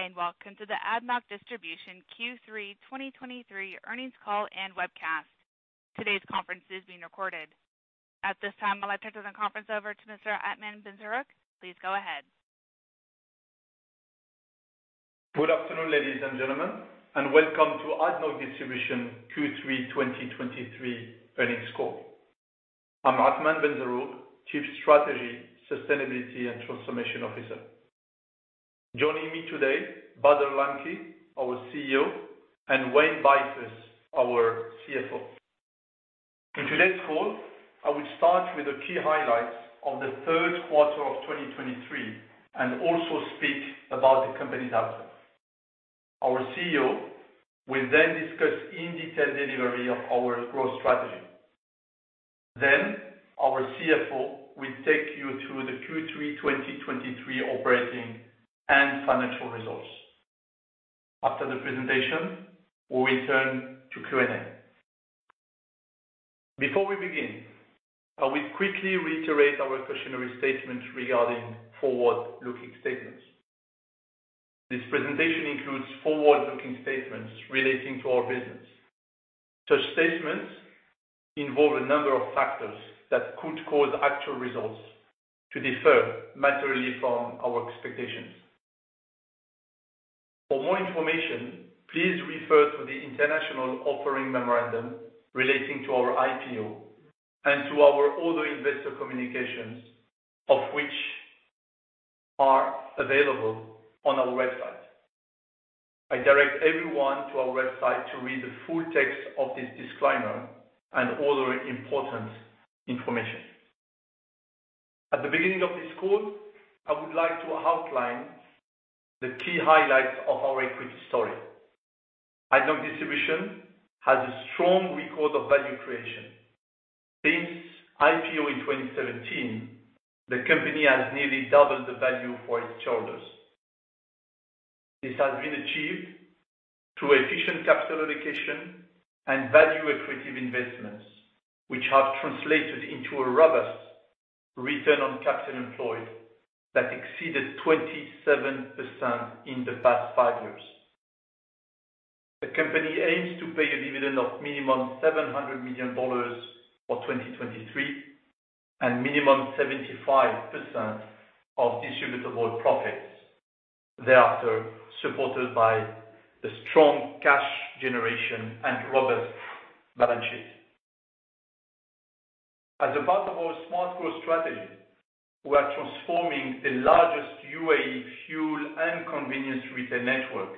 Good day and welcome to the ADNOC Distribution Q3 2023 Earnings call and Webcast. Today's conference is being recorded. At this time, I'll turn the conference over to Mr. Athmane Benzerroug. Please go ahead. Good afternoon, ladies and gentlemen, and welcome to ADNOC Distribution Q3 2023 Earnings Call. I'm Athmane Benzerroug, Chief Strategy, Transformation and Sustainability Officer. Joining me today, Bader Al Lamki, our CEO, and Wayne Beifus, our CFO. In today's call, I will start with the key highlights of the third quarter of 2023, and also speak about the company's outlook. Our CEO will then discuss in detail delivery of our growth strategy. Then our CFO will take you through the Q3 2023 operating and financial results. After the presentation, we will return to Q&A. Before we begin, I will quickly reiterate our cautionary statement regarding forward-looking statements. This presentation includes forward-looking statements relating to our business. Such statements involve a number of factors that could cause actual results to differ materially from our expectations. For more information, please refer to the international offering memorandum relating to our IPO and to our other investor communications, of which are available on our website. I direct everyone to our website to read the full text of this disclaimer and other important information. At the beginning of this call, I would like to outline the key highlights of our equity story. ADNOC Distribution has a strong record of value creation. Since IPO in 2017, the company has nearly doubled the value for its shareholders. This has been achieved through efficient capital allocation and value accretive investments, which have translated into a robust return on capital employed that exceeded 27% in the past five years. The company aims to pay a dividend of minimum $700 million for 2023, and minimum 75% of distributable profits thereafter, supported by the strong cash generation and robust balance sheet. As a part of our smart growth strategy, we are transforming the largest UAE fuel and convenience retail network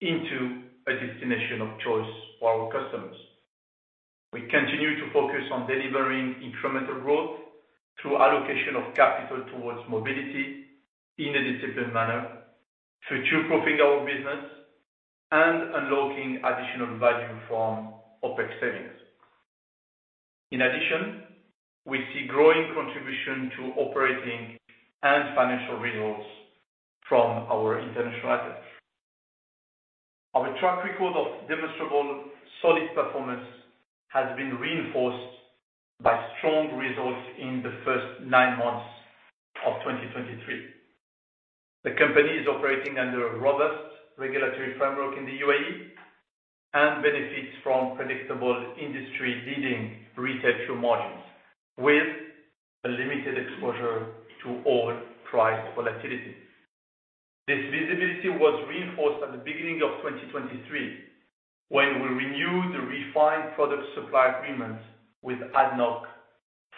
into a destination of choice for our customers. We continue to focus on delivering incremental growth through allocation of capital towards mobility in a disciplined manner, future-proofing our business, and unlocking additional value from OpEx savings. In addition, we see growing contribution to operating and financial results from our international assets. Our track record of demonstrable, solid performance has been reinforced by strong results in the first nine months of 2023. The company is operating under a robust regulatory framework in the UAE and benefits from predictable industry-leading retail fuel margins, with a limited exposure to oil price volatility. This visibility was reinforced at the beginning of 2023, when we renewed the refined product supply agreement with ADNOC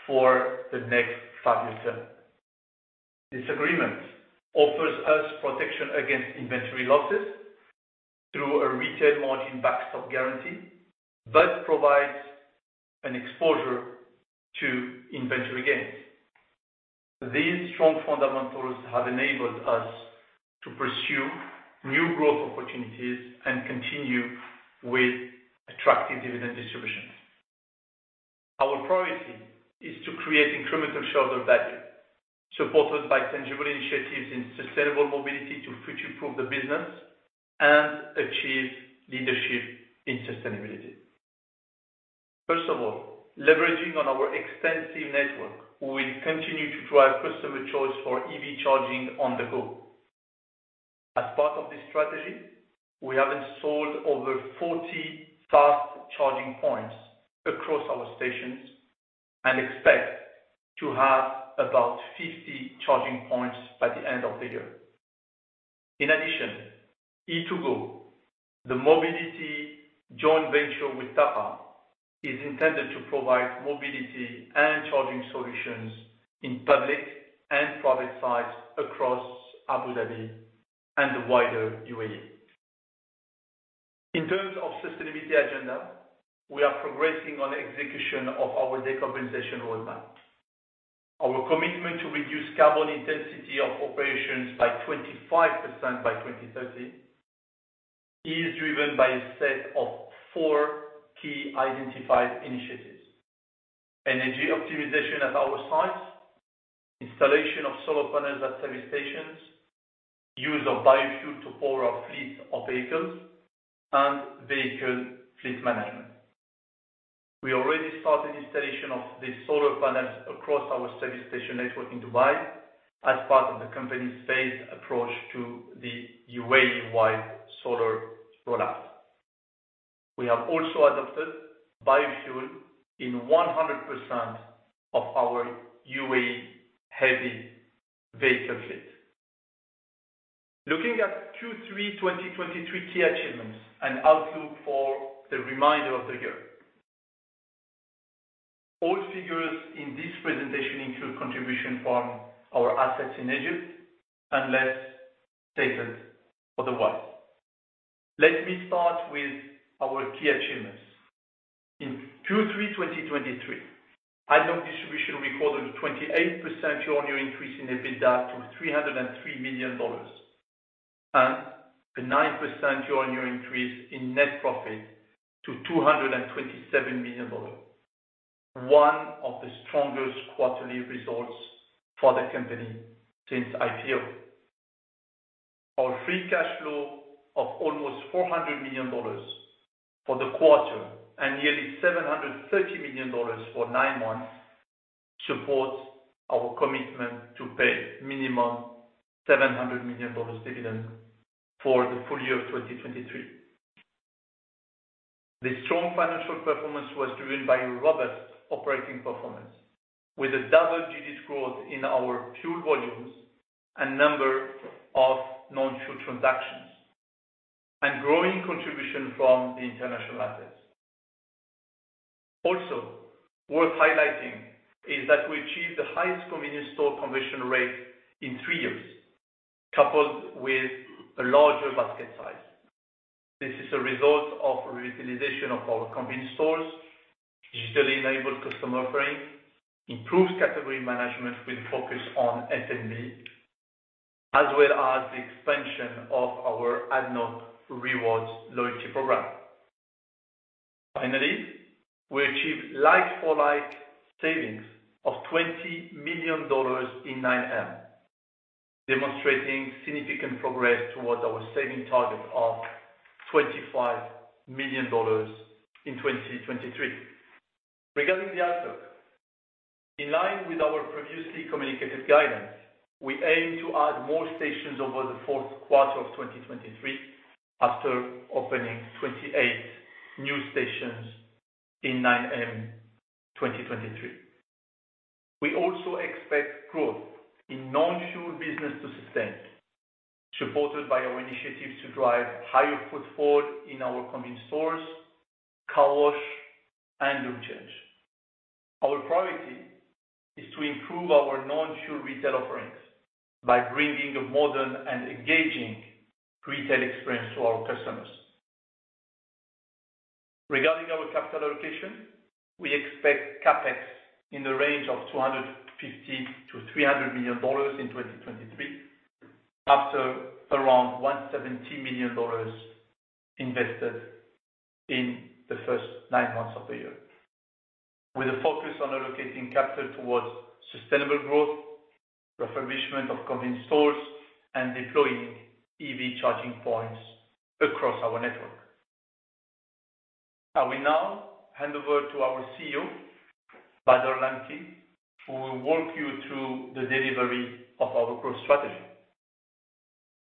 for the next five years term. This agreement offers us protection against inventory losses through a retail margin backstop guarantee, but provides an exposure to inventory gains. These strong fundamentals have enabled us to pursue new growth opportunities and continue with attractive dividend distributions. Our priority is to create incremental shareholder value, supported by tangible initiatives in sustainable mobility to future-proof the business and achieve leadership in sustainability. First of all, leveraging on our extensive network, we will continue to drive customer choice for EV charging on the go. As part of this strategy, we have installed over 40 fast charging points across our stations and expect to have about 50 charging points by the end of the year. In addition, E2GO, the mobility joint venture with TAQA, is intended to provide mobility and charging solutions in public and private sites across Abu Dhabi and the wider UAE. In terms of sustainability agenda, we are progressing on execution of our decarbonization roadmap. Our commitment to reduce carbon intensity of operations by 25% by 2030 is driven by a set of four key identified initiatives: energy optimization at our sites, installation of solar panels at service stations, use of biofuel to power our fleet of vehicles, and vehicle fleet management. We already started installation of the solar panels across our service station network in Dubai as part of the company's phased approach to the UAE-wide solar rollout. We have also adopted biofuel in 100% of our UAE heavy vehicle fleet. Looking at Q3 2023 key achievements and outlook for the remainder of the year. All figures in this presentation include contribution from our assets in Egypt, unless stated otherwise. Let me start with our key achievements. In Q3 2023, ADNOC Distribution recorded a 28% year-on-year increase in EBITDA to $303 million, and a 9% year-on-year increase in net profit to $227 million. One of the strongest quarterly results for the company since IPO. Our free cash flow of almost $400 million for the quarter and nearly $730 million for nine months supports our commitment to pay minimum $700 million dividend for the full year of 2023. The strong financial performance was driven by robust operating performance, with a double-digit growth in our fuel volumes and number of non-fuel transactions, and growing contribution from the international markets. Also, worth highlighting is that we achieved the highest convenience store conversion rate in three years, coupled with a larger basket size. This is a result of revitalization of our convenience stores, digitally enabled customer offering, improved category management with focus on F&B, as well as the expansion of our ADNOC Rewards loyalty program. Finally, we achieved like-for-like savings of $20 million in 9M, demonstrating significant progress towards our saving target of $25 million in 2023. Regarding the outlook, in line with our previously communicated guidance, we aim to add more stations over the fourth quarter of 2023, after opening 28 new stations in 9M, 2023. We also expect growth in non-fuel business to sustain, supported by our initiatives to drive higher footfall in our convenience stores, car wash and lube change. Our priority is to improve our non-fuel retail offerings by bringing a modern and engaging retail experience to our customers. Regarding our capital allocation, we expect CapEx in the range of $250 million-$300 million in 2023, after around $170 million invested in the first nine months of the year. With a focus on allocating capital towards sustainable growth, refurbishment of convenience stores and deploying EV charging points across our network. I will now hand over to our CEO, Bader Al Lamki, who will walk you through the delivery of our growth strategy.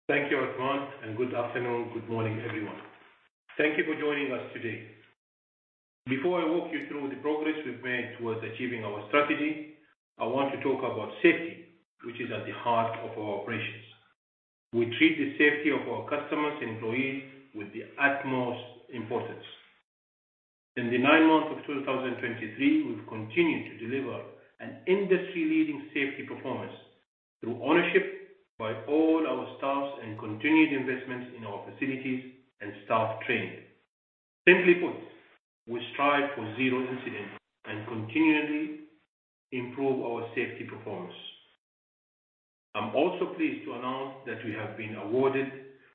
Thank you, Athmane, and good afternoon, good morning, everyone. Thank you for joining us today. Before I walk you through the progress we've made towards achieving our strategy, I want to talk about safety, which is at the heart of our operations. We treat the safety of our customers and employees with the utmost importance. In the nine months of 2023, we've continued to deliver an industry-leading safety performance through ownership by all our staff and continued investments in our facilities and staff training. Simply put, we strive for zero incidents and continually improve our safety performance. I'm also pleased to announce that we have been awarded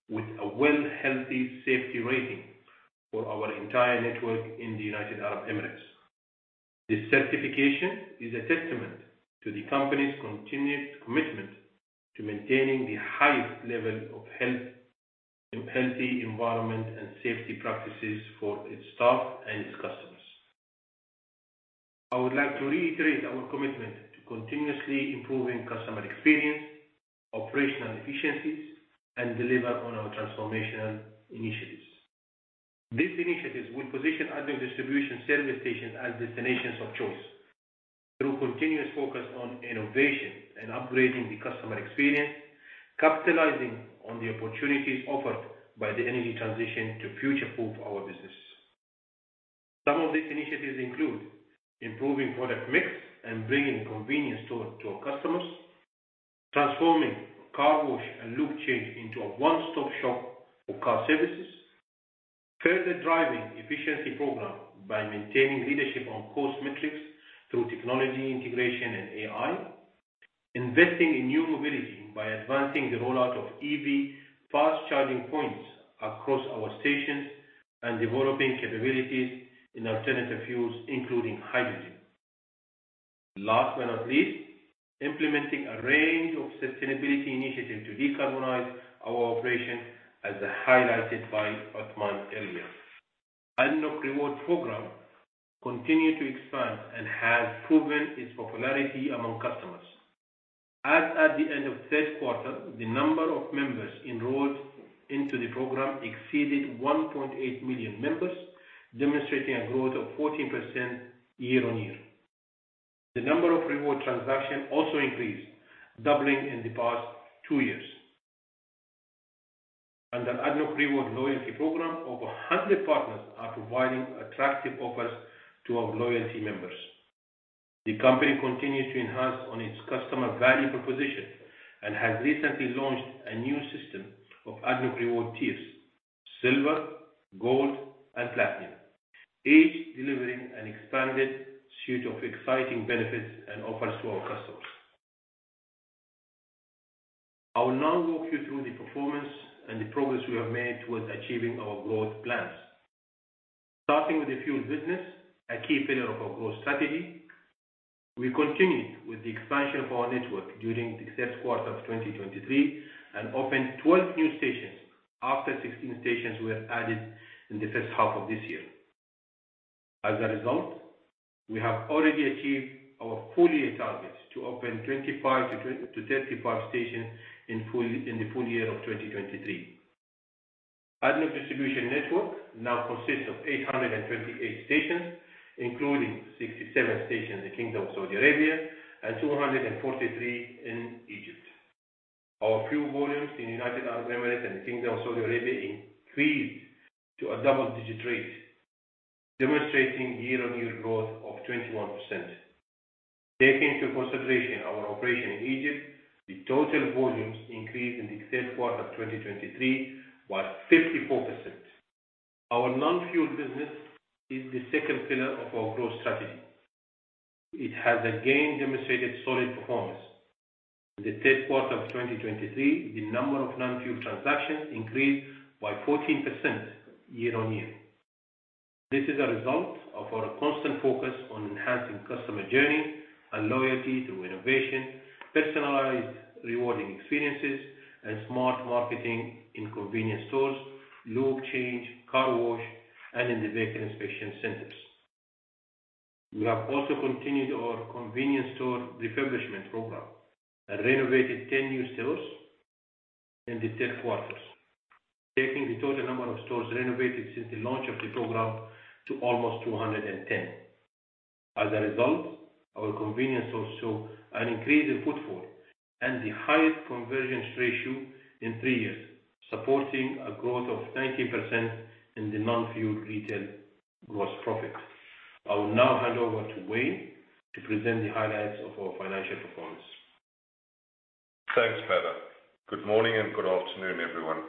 with a WELL Health-Safety Rating for our entire network in the United Arab Emirates. This certification is a testament to the company's continued commitment to maintaining the highest level of health, healthy environment and safety practices for its staff and its customers. I would like to reiterate our commitment to continuously improving customer experience, operational efficiencies, and deliver on our transformational initiatives. These initiatives will position ADNOC Distribution service stations as destinations of choice through continuous focus on innovation and upgrading the customer experience, capitalizing on the opportunities offered by the energy transition to future-proof our business. Some of these initiatives include: improving product mix and bringing convenience stores to our customers, transforming car wash and lube change into a one-stop shop for car services, further driving efficiency program by maintaining leadership on cost metrics through technology integration and AI, investing in new mobility by advancing the rollout of EV fast charging points across our stations, and developing capabilities in alternative fuels, including hydrogen. Last but not least, implementing a range of sustainability initiatives to decarbonize our operation, as highlighted by Athmane earlier. ADNOC Rewards program continued to expand and has proven its popularity among customers. As at the end of third quarter, the number of members enrolled into the program exceeded 1.8 million members, demonstrating a growth of 14% year-on-year. The number of reward transactions also increased, doubling in the past two years. Under ADNOC Rewards Loyalty Program, over 100 partners are providing attractive offers to our loyalty members. The company continues to enhance on its customer value proposition and has recently launched a new system of ADNOC Rewards tiers: Silver, Gold, and Platinum. Each delivering an expanded suite of exciting benefits and offers to our customers. I will now walk you through the performance and the progress we have made towards achieving our growth plans. Starting with the fuel business, a key pillar of our growth strategy, we continued with the expansion of our network during the third quarter of 2023 and opened 12 new stations, after 16 stations were added in the first half of this year. As a result, we have already achieved our full year targets to open 25-35 stations in full, in the full year of 2023. ADNOC Distribution network now consists of 828 stations, including 67 stations in Kingdom of Saudi Arabia and 243 in Egypt. Our fuel volumes in United Arab Emirates and the Kingdom of Saudi Arabia increased to a double-digit rate, demonstrating year-on-year growth of 21%. Taking into consideration our operation in Egypt, the total volumes increase in the third quarter of 2023 was 54%. Our non-fuel business is the second pillar of our growth strategy. It has again demonstrated solid performance. In the third quarter of 2023, the number of non-fuel transactions increased by 14% year-on-year. This is a result of our constant focus on enhancing customer journey and loyalty through innovation, personalized rewarding experiences, and smart marketing in convenience stores, lube change, car wash, and in the vehicle inspection centers. We have also continued our convenience store refurbishment program and renovated 10 new stores in the third quarter, taking the total number of stores renovated since the launch of the program to almost 210. As a result, our convenience stores show an increased footfall and the highest conversion ratio in 3 years, supporting a growth of 19% in the non-fuel retail gross profit. I will now hand over to Wayne to present the highlights of our financial performance. Thanks, Bader. Good morning and good afternoon, everyone.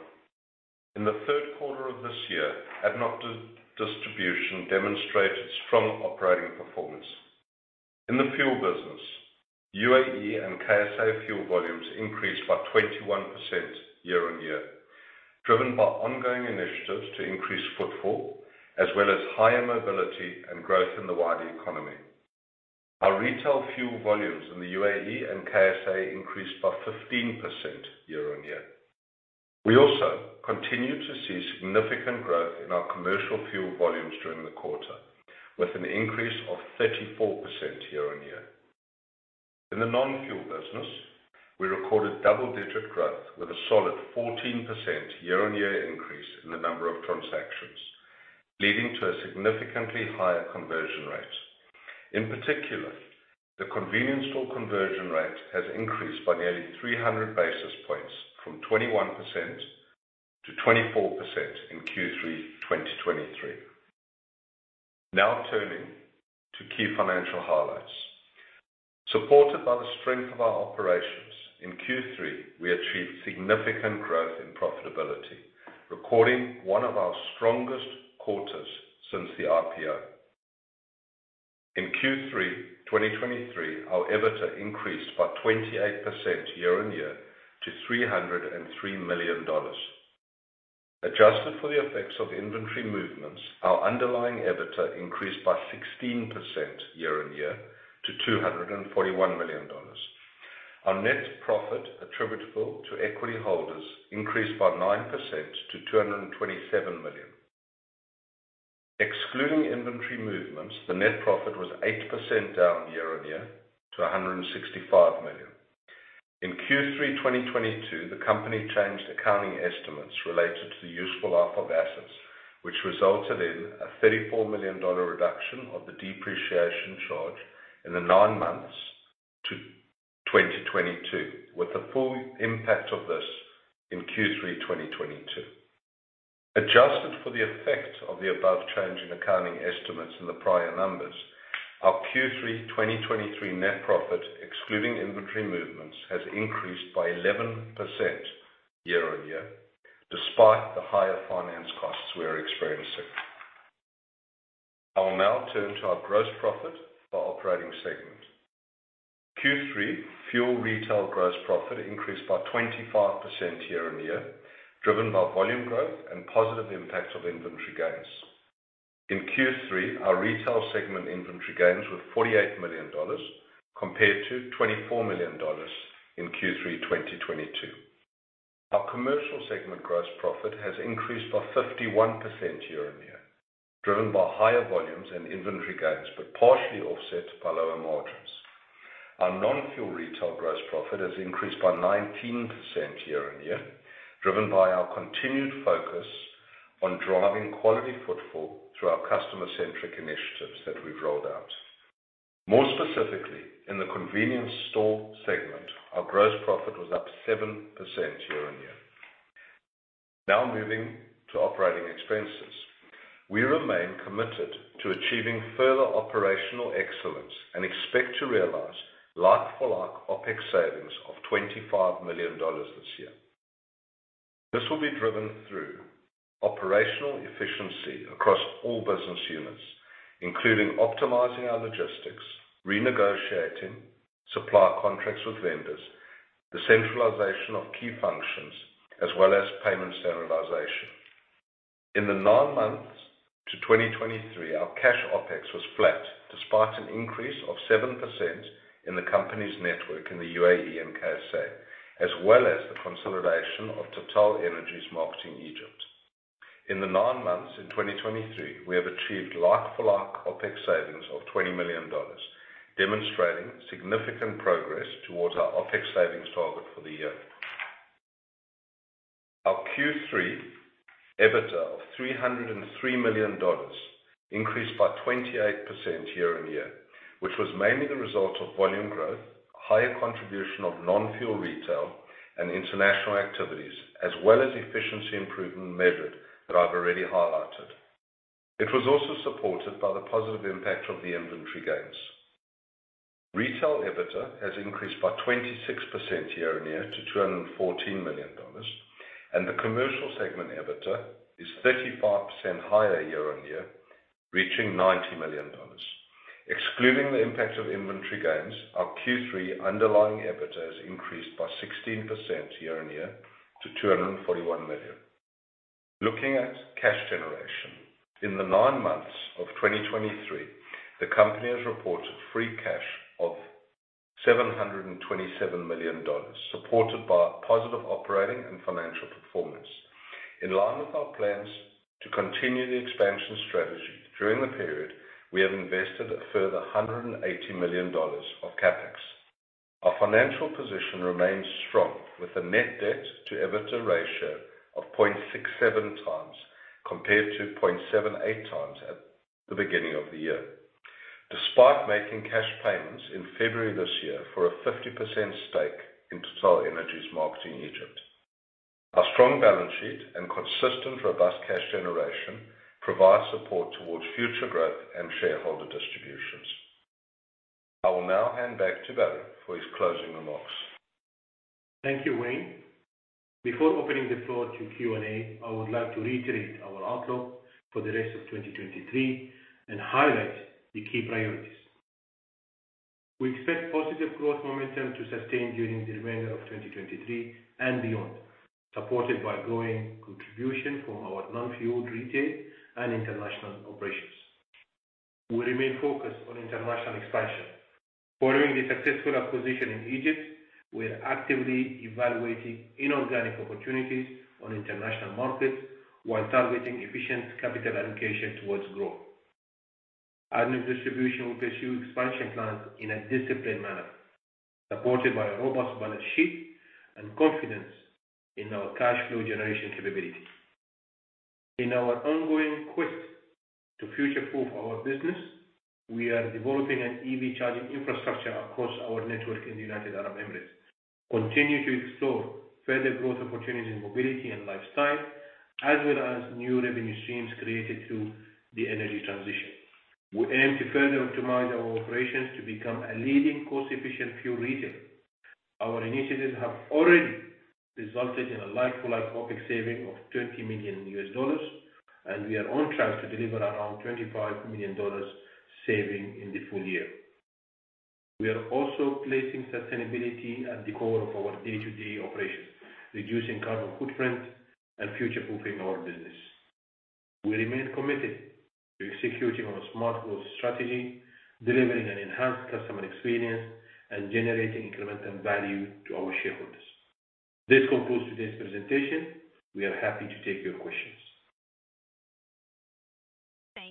In the third quarter of this year, ADNOC Distribution demonstrated strong operating performance. In the fuel business, UAE and KSA fuel volumes increased by 21% year-on-year, driven by ongoing initiatives to increase footfall, as well as higher mobility and growth in the wider economy. Our retail fuel volumes in the UAE and KSA increased by 15% year-on-year. We also continued to see significant growth in our commercial fuel volumes during the quarter, with an increase of 34% year-on-year. In the non-fuel business, we recorded double-digit growth with a solid 14% year-on-year increase in the number of transactions, leading to a significantly higher conversion rate. In particular, the convenience store conversion rate has increased by nearly 300 basis points, from 21% to 24% in Q3 2023. Now turning to key financial highlights. Supported by the strength of our operations, in Q3, we achieved significant growth in profitability, recording one of our strongest quarters since the IPO. In Q3 2023, our EBITDA increased by 28% year-on-year to $303 million. Adjusted for the effects of inventory movements, our underlying EBITDA increased by 16% year-on-year to $241 million. Our net profit attributable to equity holders increased by 9% to $227 million. Excluding inventory movements, the net profit was 8% down year-on-year to $165 million. In Q3 2022, the company changed accounting estimates related to the useful life of assets, which resulted in a $34 million reduction of the depreciation charge in the nine months to 2022, with the full impact of this in Q3 2022. Adjusted for the effect of the above change in accounting estimates in the prior numbers, our Q3 2023 net profit, excluding inventory movements, has increased by 11% year-on-year, despite the higher finance costs we are experiencing. I will now turn to our gross profit by operating segment. Q3 fuel retail gross profit increased by 25% year-on-year, driven by volume growth and positive impacts of inventory gains. In Q3, our retail segment inventory gains were $48 million, compared to $24 million in Q3 2022. Our commercial segment gross profit has increased by 51% year-on-year, driven by higher volumes and inventory gains, but partially offset by lower margins. Our non-fuel retail gross profit has increased by 19% year-on-year, driven by our continued focus on driving quality footfall through our customer-centric initiatives that we've rolled out. More specifically, in the convenience store segment, our gross profit was up 7% year-on-year. Now moving to operating expenses. We remain committed to achieving further operational excellence and expect to realize like-for-like OpEx savings of $25 million this year. This will be driven through operational efficiency across all business units, including optimizing our logistics, renegotiating supply contracts with vendors, the centralization of key functions, as well as payment standardization. In the nine months to 2023, our cash OpEx was flat, despite an increase of 7% in the company's network in the UAE and KSA, as well as the consolidation of TotalEnergies Marketing in Egypt. In the nine months in 2023, we have achieved like-for-like OpEx savings of $20 million, demonstrating significant progress towards our OpEx savings target for the year. Our Q3 EBITDA of $303 million increased by 28% year-on-year, which was mainly the result of volume growth, higher contribution of non-fuel retail and international activities, as well as efficiency improvement measured that I've already highlighted. It was also supported by the positive impact of the inventory gains. Retail EBITDA has increased by 26% year-on-year to $214 million, and the commercial segment EBITDA is 35% higher year-on-year, reaching $90 million. Excluding the impact of inventory gains, our Q3 underlying EBITDA has increased by 16% year-on-year to $241 million. Looking at cash generation, in the 9 months of 2023, the company has reported free cash of $727 million, supported by positive operating and financial performance. In line with our plans to continue the expansion strategy during the period, we have invested a further $180 million of CapEx. Our financial position remains strong, with a net debt to EBITDA ratio of 0.67x, compared to 0.78x at the beginning of the year. Despite making cash payments in February this year for a 50% stake in TotalEnergies Marketing in Egypt, our strong balance sheet and consistent, robust cash generation provides support towards future growth and shareholder distributions. I will now hand back to Bader for his closing remarks. Thank you, Wayne. Before opening the floor to Q&A, I would like to reiterate our outlook for the rest of 2023 and highlight the key priorities. We expect positive growth momentum to sustain during the remainder of 2023 and beyond, supported by growing contribution from our non-fuel retail and international operations. We remain focused on international expansion. Following the successful acquisition in Egypt, we are actively evaluating inorganic opportunities on international markets while targeting efficient capital allocation towards growth. ADNOC Distribution will pursue expansion plans in a disciplined manner, supported by a robust balance sheet and confidence in our cash flow generation capability. In our ongoing quest to future-proof our business, we are developing an EV charging infrastructure across our network in the United Arab Emirates, continue to explore further growth opportunities in mobility and lifestyle, as well as new revenue streams created through the energy transition. We aim to further optimize our operations to become a leading cost-efficient fuel retailer. Our initiatives have already resulted in a like-for-like OpEx saving of $20 million, and we are on track to deliver around $25 million saving in the full year. We are also placing sustainability at the core of our day-to-day operations, reducing carbon footprint and future-proofing our business. We remain committed to executing on a smart growth strategy, delivering an enhanced customer experience, and generating incremental value to our shareholders. This concludes today's presentation. We are happy to take your questions.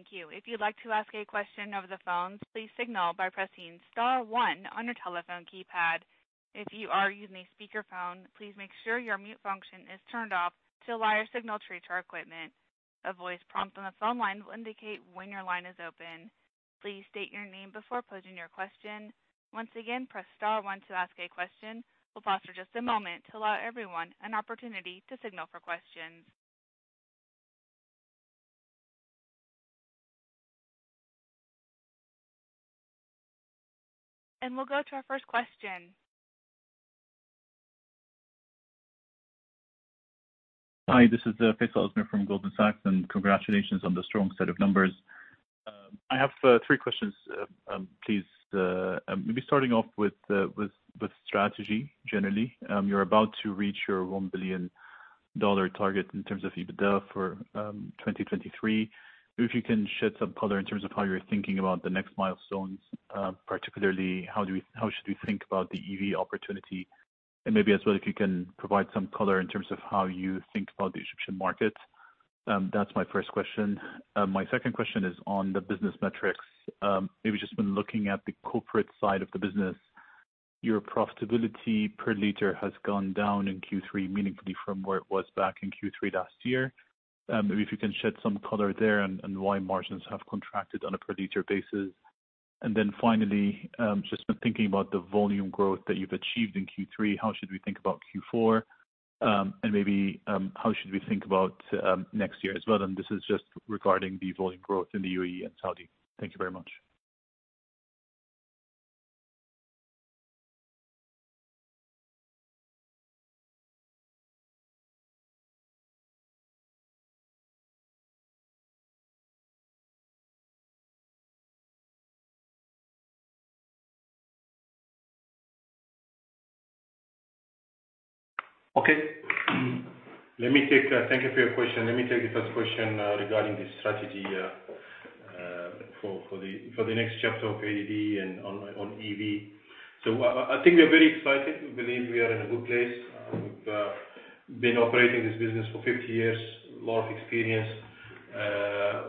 Thank you. If you'd like to ask a question over the phone, please signal by pressing star one on your telephone keypad. If you are using a speakerphone, please make sure your mute function is turned off to allow your signal to reach our equipment. A voice prompt on the phone line will indicate when your line is open. Please state your name before posing your question. Once again, press star one to ask a question. We'll pause for just a moment to allow everyone an opportunity to signal for questions. And we'll go to our first question. Hi, this is Faisal Al-Azmeh from Goldman Sachs, and congratulations on the strong set of numbers. I have three questions. Please, maybe starting off with strategy generally. You're about to reach your $1 billion target in terms of EBITDA for 2023. If you can shed some color in terms of how you're thinking about the next milestones, particularly, how do we-- how should we think about the EV opportunity? And maybe as well, if you can provide some color in terms of how you think about the Egyptian market. That's my first question. My second question is on the business metrics. Maybe just when looking at the corporate side of the business, your profitability per liter has gone down in Q3, meaningfully from where it was back in Q3 last year. Maybe if you can shed some color there and why margins have contracted on a per liter basis. And then finally, just been thinking about the volume growth that you've achieved in Q3, how should we think about Q4? And maybe, how should we think about next year as well? And this is just regarding the volume growth in the UAE and Saudi. Thank you very much. Okay. Let me take... Thank you for your question. Let me take the first question regarding the strategy for the next chapter of ADD and on EV. So I think we are very excited. We believe we are in a good place. We've been operating this business for 50 years, lot of experience.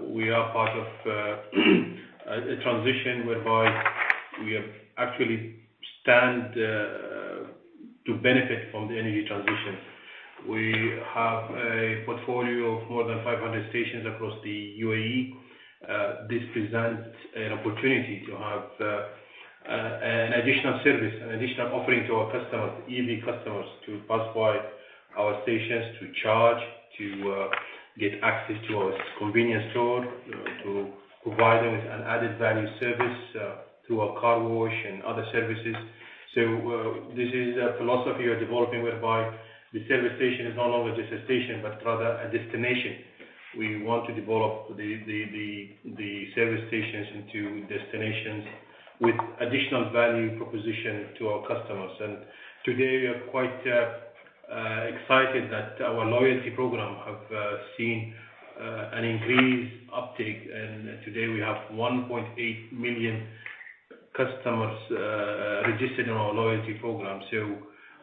We are part of a transition whereby we have actually stand to benefit from the energy transition. We have a portfolio of more than 500 stations across the UAE. This presents an opportunity to have an additional service, an additional offering to our customers, EV customers, to pass by our stations, to charge, to get access to our convenience store, to provide them with an added value service through our car wash and other services. So, this is a philosophy we are developing, whereby the service station is no longer just a station, but rather a destination. We want to develop the service stations into destinations with additional value proposition to our customers. And today, we are quite excited that our loyalty program have seen an increased uptake, and today we have 1.8 million customers registered in our loyalty program. So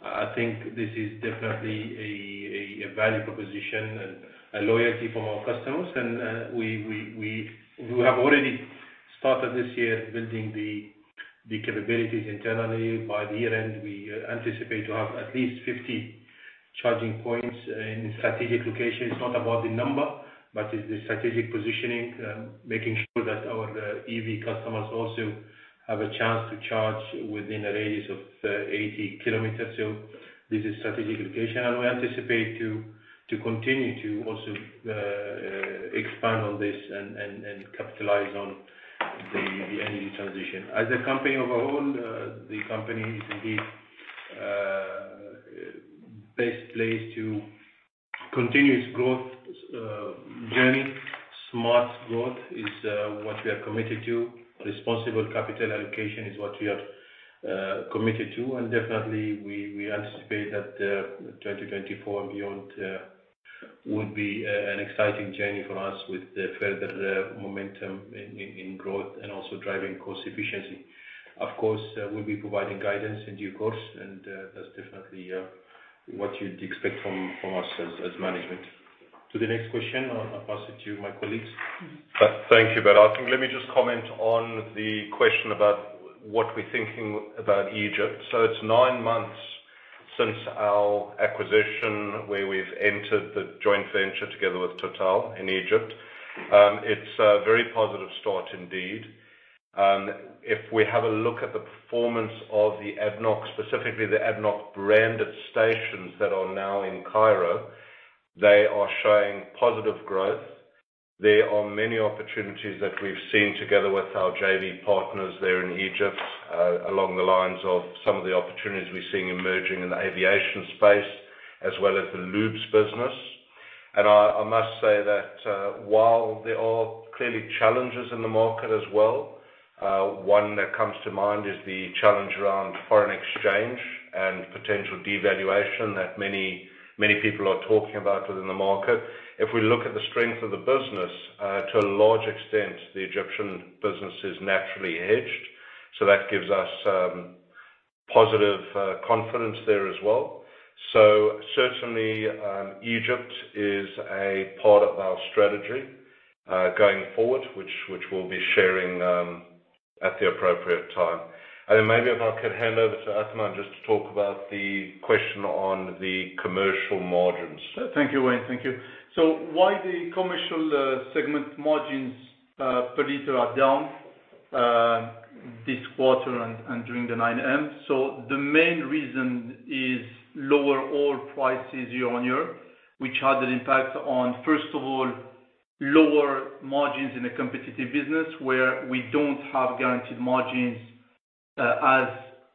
I think this is definitely a value proposition and a loyalty from our customers. And we have already started this year building the capabilities internally. By the year end, we anticipate to have at least 50 charging points in strategic locations. It's not about the number, but it's the strategic positioning. Making sure that our EV customers also have a chance to charge within a radius of 80 kilometers. So this is strategic location, and we anticipate to continue to also expand on this and capitalize on the energy transition. As a company overall, the company is indeed best placed to continue its growth journey. Smart growth is what we are committed to. Responsible capital allocation is what we are committed to. And definitely, we anticipate that 2024 and beyond will be an exciting journey for us with the further momentum in growth and also driving cost efficiency. Of course, we'll be providing guidance in due course, and that's definitely what you'd expect from us as management. To the next question, I'll pass it to you, my colleagues. Thank you, Bader. I think let me just comment on the question about what we're thinking about Egypt. So it's nine months since our acquisition, where we've entered the joint venture together with Total in Egypt. It's a very positive start indeed. If we have a look at the performance of the ADNOC, specifically the ADNOC branded stations that are now in Cairo, they are showing positive growth. There are many opportunities that we've seen together with our JV partners there in Egypt, along the lines of some of the opportunities we're seeing emerging in the aviation space, as well as the lubes business. And I must say that, while there are clearly challenges in the market as well, one that comes to mind is the challenge around foreign exchange and potential devaluation that many, many people are talking about within the market. If we look at the strength of the business, to a large extent, the Egyptian business is naturally hedged, so that gives us positive confidence there as well. So certainly, Egypt is a part of our strategy, going forward, which we'll be sharing, at the appropriate time. And maybe if I could hand over to Athmane just to talk about the question on the commercial margins. Thank you, Wayne. Thank you. So why the commercial segment margins per liter are down this quarter and during the nine months? So the main reason is lower oil prices year-on-year, which had an impact on, first of all, lower margins in a competitive business, where we don't have guaranteed margins as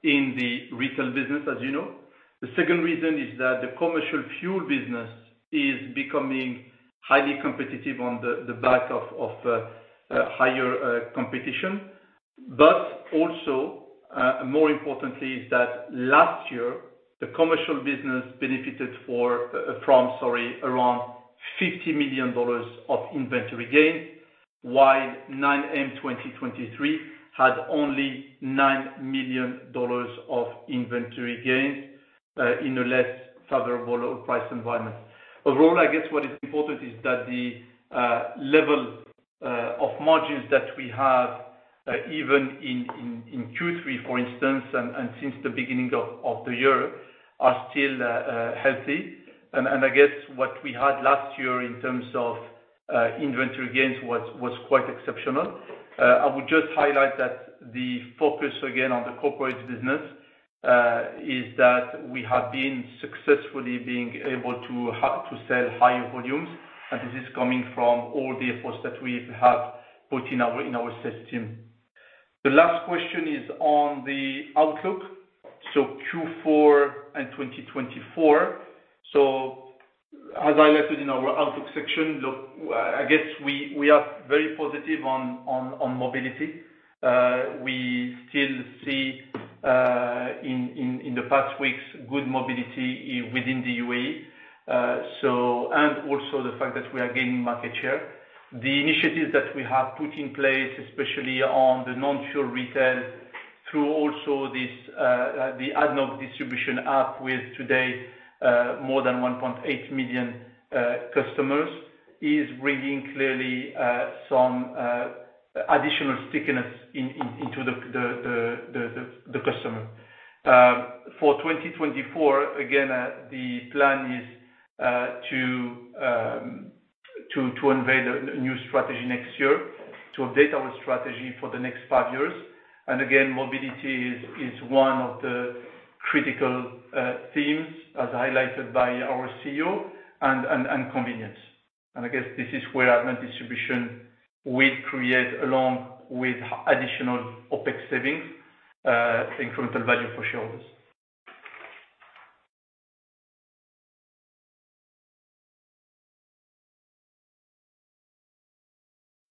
in the retail business, as you know. The second reason is that the commercial fuel business is becoming highly competitive on the back of higher competition. But also, more importantly, is that last year, the commercial business benefited from around $50 million of inventory gains, while 9M 2023 had only $9 million of inventory gains in a less favorable price environment. Overall, I guess what is important is that the level of margins that we have even in Q3, for instance, and since the beginning of the year, are still healthy. I guess what we had last year in terms of inventory gains was quite exceptional. I would just highlight that the focus again on the corporate business is that we have been successfully being able to have to sell higher volumes, and this is coming from all the efforts that we have put in our system. The last question is on the outlook, so Q4 and 2024. As highlighted in our outlook section, look, I guess we are very positive on mobility. We still see in the past weeks good mobility within the UAE. And also the fact that we are gaining market share. The initiatives that we have put in place, especially on the non-fuel retail, through also this, the ADNOC Distribution app with today more than 1.8 million customers, is bringing clearly some additional stickiness into the customer. For 2024, again, the plan is to unveil a new strategy next year, to update our strategy for the next five years. And again, mobility is one of the critical themes, as highlighted by our CEO, and convenience. And I guess this is where ADNOC Distribution will create, along with additional OpEx savings, incremental value for shareholders.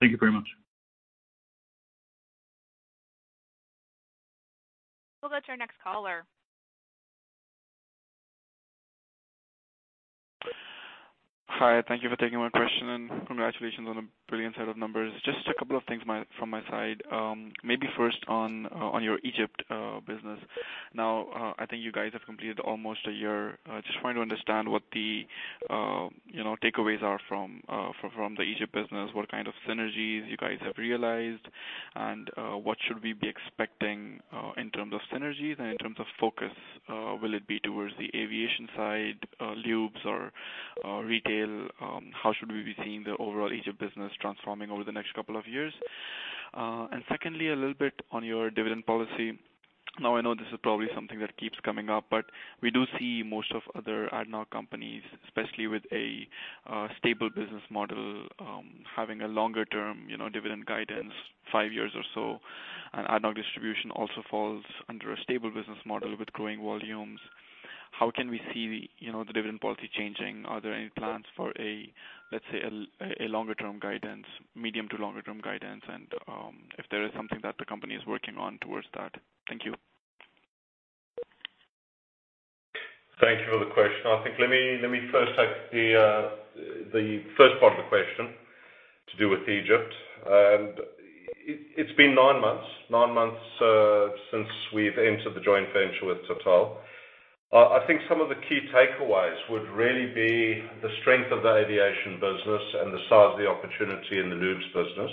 Thank you very much. We'll go to our next caller. Hi, thank you for taking my question, and congratulations on a brilliant set of numbers. Just a couple of things from my side. Maybe first on your Egypt business. Now, I think you guys have completed almost a year. Just trying to understand what the, you know, takeaways are from the Egypt business, what kind of synergies you guys have realized, and what should we be expecting in terms of synergies and in terms of focus? Will it be towards the aviation side, lubes or retail? How should we be seeing the overall Egypt business transforming over the next couple of years? And secondly, a little bit on your dividend policy. Now, I know this is probably something that keeps coming up, but we do see most of other ADNOC companies, especially with a stable business model, having a longer term, you know, dividend guidance, five years or so, and ADNOC Distribution also falls under a stable business model with growing volumes. How can we see, you know, the dividend policy changing? Are there any plans for a, let's say, a longer term guidance, medium to longer term guidance, and if there is something that the company is working on towards that? Thank you. Thank you for the question. I think let me first take the first part of the question to do with Egypt. And it's been nine months since we've entered the joint venture with Total. I think some of the key takeaways would really be the strength of the aviation business and the size of the opportunity in the lubes business,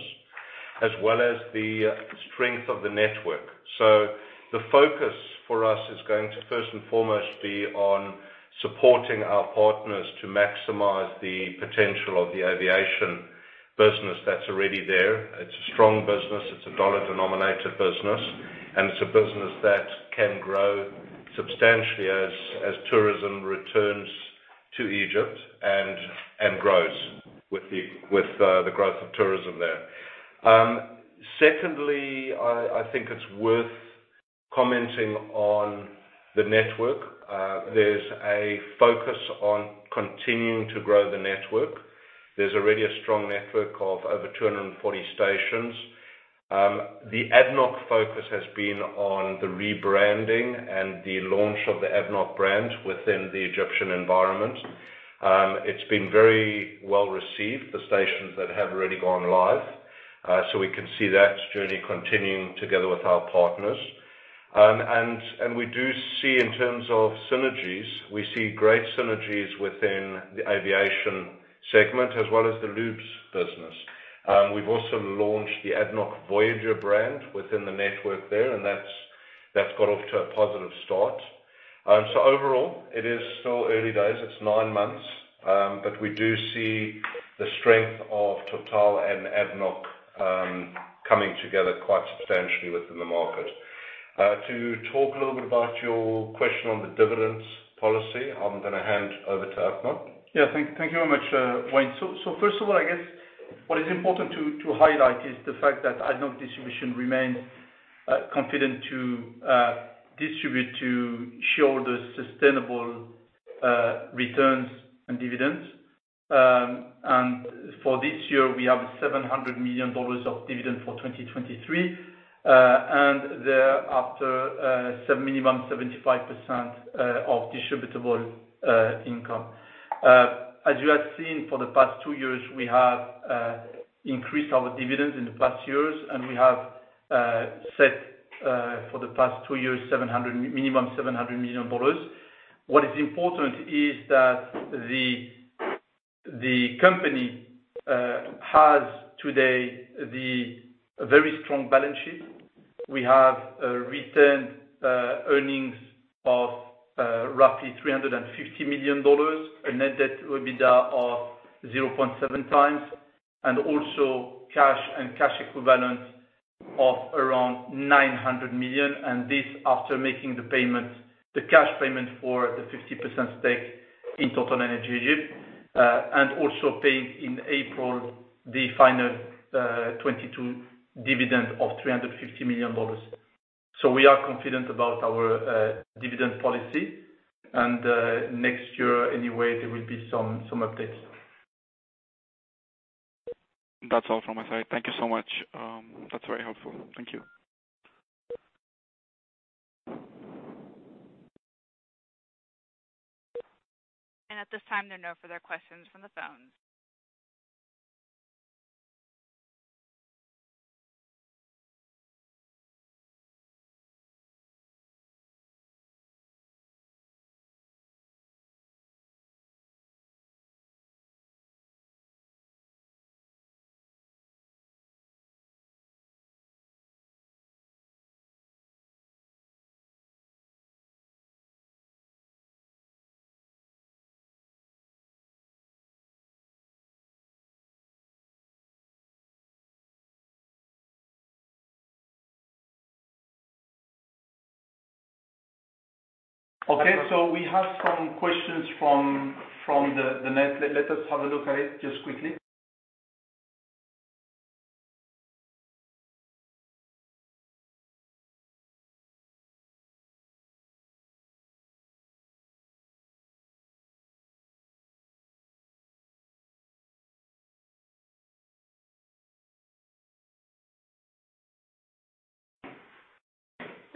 as well as the strength of the network. So the focus for us is going to first and foremost be on supporting our partners to maximize the potential of the aviation business that's already there. It's a strong business, it's a US dollar-denominated business, and it's a business that can grow substantially as tourism returns to Egypt and grows with the growth of tourism there. Secondly, I think it's worth commenting on the network. There's a focus on continuing to grow the network. There's already a strong network of over 240 stations. The ADNOC focus has been on the rebranding and the launch of the ADNOC brand within the Egyptian environment. It's been very well received, the stations that have already gone live, so we can see that journey continuing together with our partners. And we do see in terms of synergies, we see great synergies within the aviation segment as well as the lubes business. We've also launched the ADNOC Voyager brand within the network there, and that's got off to a positive start. So overall, it is still early days. It's nine months, but we do see the strength of Total and ADNOC coming together quite substantially within the market. To talk a little bit about your question on the dividends policy, I'm gonna hand over to Athmane. Yeah, thank, thank you very much, Wayne. So, so first of all, what is important to, to highlight is the fact that ADNOC Distribution remains confident to distribute to show the sustainable returns and dividends. And for this year, we have $700 million of dividend for 2023. And thereafter, minimum 75% of distributable income. As you have seen for the past two years, we have increased our dividends in the past years, and we have set for the past two years, minimum $700 million. What is important is that the company has today the very strong balance sheet. We have returned earnings of roughly $350 million, a net debt to EBITDA of 0.7x, and also cash and cash equivalents of around $900 million, and this after making the payments, the cash payment for the 50% stake in TotalEnergies Egypt, and also paying in April the final 2022 dividend of $350 million. So we are confident about our dividend policy, and next year, anyway, there will be some updates. That's all from my side. Thank you so much. That's very helpful. Thank you. At this time, there are no further questions from the phone. Okay, so we have some questions from the net. Let us have a look at it just quickly.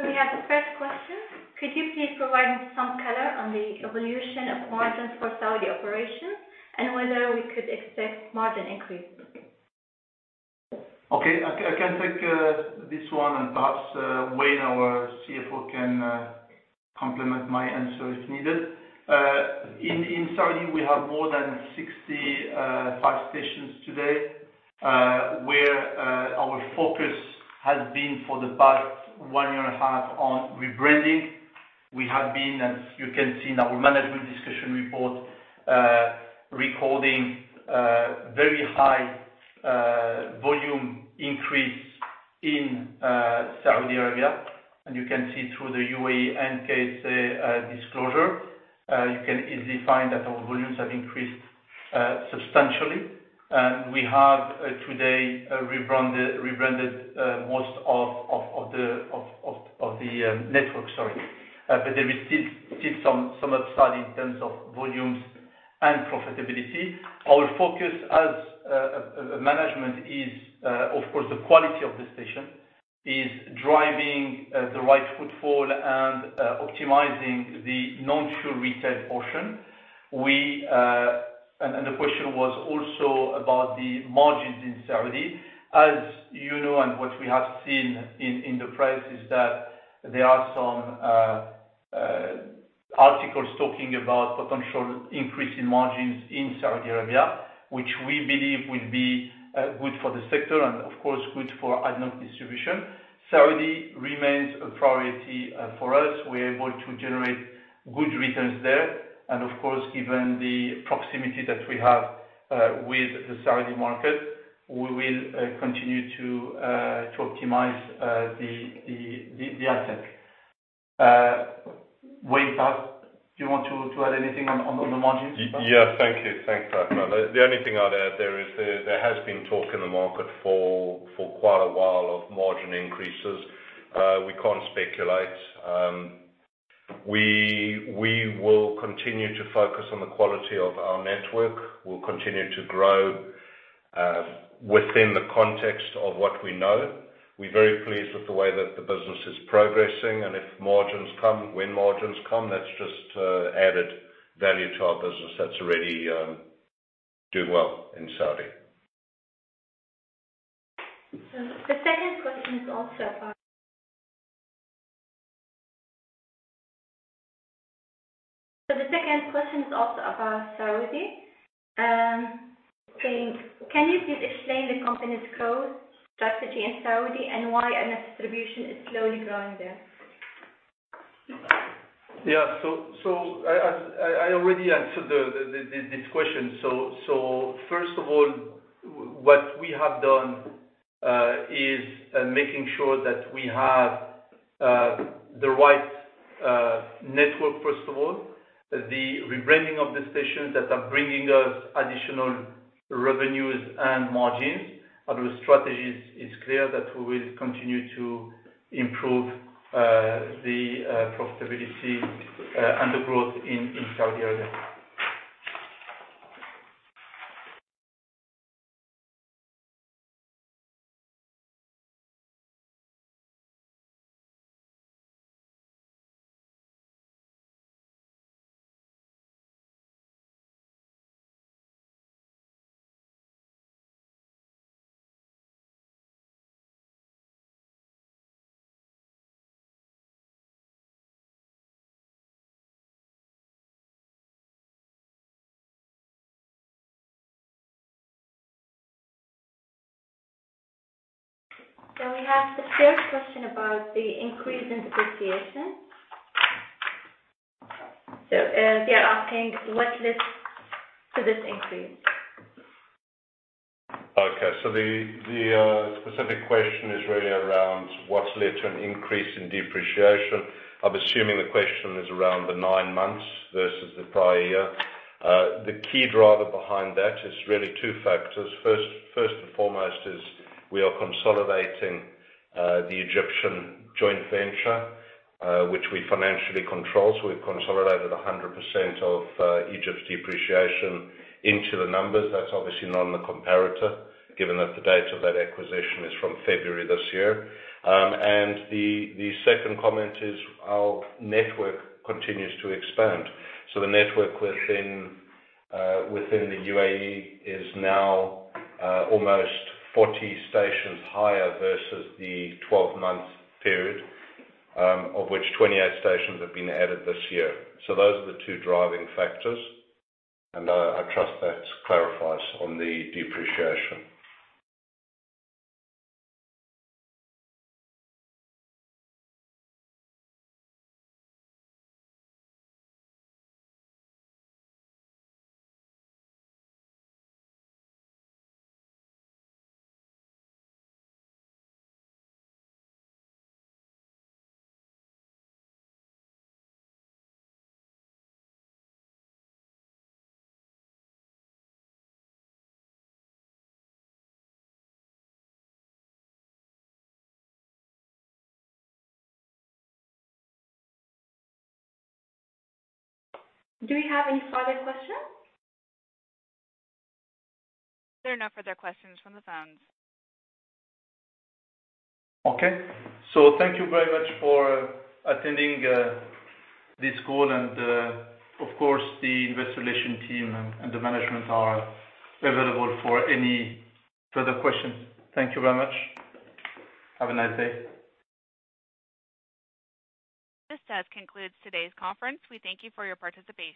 We have the first question: Could you please provide some color on the evolution of margins for Saudi operations and whether we could expect margin increases? Okay. I can take this one and perhaps Wayne, our CFO, can complement my answer if needed. In Saudi, we have more than 65 stations today, where our focus has been for the past one year and a half on rebranding. We have been, as you can see in our management discussion report, recording very high volume increase in Saudi Arabia. And you can see through the UAE and KSA disclosure, you can easily find that our volumes have increased substantially. And we have today rebranded most of the network, sorry. But there is still some upside in terms of volumes and profitability. Our focus as management is, of course, the quality of the station is driving the right footfall and optimizing the non-fuel retail portion. The question was also about the margins in Saudi. As you know, and what we have seen in the press, is that there are some articles talking about potential increase in margins in Saudi Arabia, which we believe will be good for the sector and of course, good for ADNOC Distribution. Saudi remains a priority for us. We're able to generate good returns there, and of course, given the proximity that we have with the Saudi market, we will continue to optimize the asset. Wayne, perhaps, do you want to add anything on the margins? Yeah. Thank you. Thanks, Athmane. The only thing I'd add there is there has been talk in the market for quite a while of margin increases. We can't speculate. We will continue to focus on the quality of our network. We'll continue to grow within the context of what we know. We're very pleased with the way that the business is progressing, and if margins come, when margins come, that's just added value to our business that's already doing well in Saudi. So the second question is also about Saudi, saying, can you please explain the company's growth strategy in Saudi and why ADNOC Distribution is slowly growing there? Yeah. So I already answered this question. So first of all, what we have done is making sure that we have the right network, first of all, the rebranding of the stations that are bringing us additional revenues and margins. Our strategy is clear that we will continue to improve the profitability and the growth in Saudi Arabia. We have the first question about the increase in depreciation. They are asking, what led to this increase? Okay. So the specific question is really around what's led to an increase in depreciation. I'm assuming the question is around the nine months versus the prior year. The key driver behind that is really two factors. First, first and foremost, is we are consolidating the Egyptian joint venture, which we financially control. So we've consolidated 100% of Egypt's depreciation into the numbers. That's obviously not in the comparator, given that the date of that acquisition is from February this year. And the second comment is, our network continues to expand. So the network within the UAE is now almost 40 stations higher versus the 12-month period, of which 28 stations have been added this year. So those are the two driving factors, and I trust that clarifies on the depreciation. Do we have any further questions? There are no further questions from the phones. Okay. So thank you very much for attending, this call. And, of course, the investor relation team and the management are available for any further questions. Thank you very much. Have a nice day. This does conclude today's conference. We thank you for your participation.